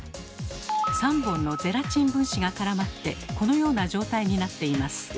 ３本のゼラチン分子が絡まってこのような状態になっています。